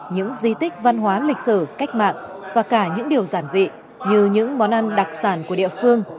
những di tích văn hóa lịch sử cách mạng và cả những điều giản dị như những món ăn đặc sản của địa phương